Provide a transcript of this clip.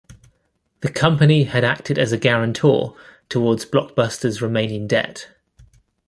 The company had acted as a guarantor towards Blockbuster's remaining debt.